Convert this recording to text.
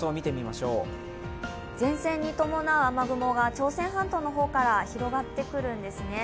前線に伴う雨雲が朝鮮半島の方から広がってくるんですね。